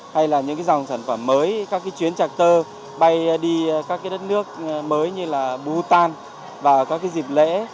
hay là những dòng sản phẩm mới các cái chuyến chạc tơ bay đi các đất nước mới như là bhutan vào các dịp lễ